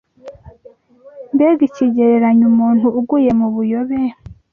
Mbega ikigereranyo! Umuntu uguye mu buyobe